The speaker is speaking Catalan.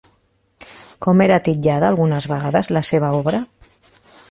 Com era titllada algunes vegades la seva obra?